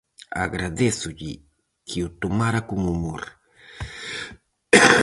Agradézolle que o tomara con humor.